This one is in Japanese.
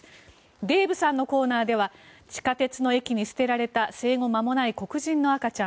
デーブさんのコーナーでは地下鉄の駅に捨てられた生後間もない黒人の赤ちゃん。